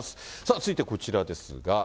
続いてはこちらですが。